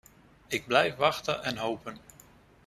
Ik blijf wachten en hopen.